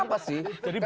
jadi bukan sempalan ya